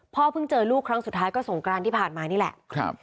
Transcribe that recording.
เพิ่งเจอลูกครั้งสุดท้ายก็สงกรานที่ผ่านมานี่แหละ